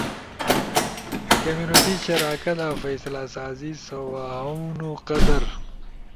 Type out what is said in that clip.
کمیونٹی شراکت اؤ فیصلہ سازی۔ سوہاونو قدر۔